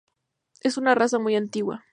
Es una raza muy antigua.